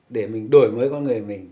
để mình đổi mới con người mình